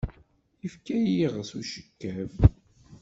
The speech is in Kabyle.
Ifka-yi iɣes ucekkab.